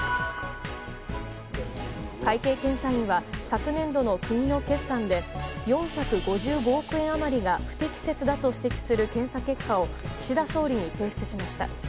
会計検査院は昨年度の国の決算で４５５億円余りが不適切だと指摘する検査結果を岸田総理に提出しました。